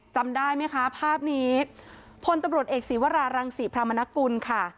จำได้ไหมคะภาพนี้พลตำรวจเอกศีวรารังศรีพระมนกุลค่ะ